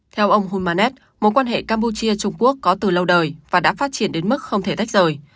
theo ông hunmanet mối quan hệ campuchia trung quốc có từ lâu đời và đã phát triển đến mức không thể tách rời